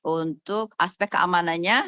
untuk aspek keamanannya